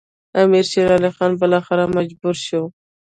امیر شېر علي خان بالاخره مجبور شو.